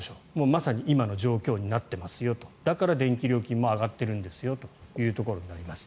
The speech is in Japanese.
まさに今の状況になってますよとだから電気料金も上がっているんですよということになります。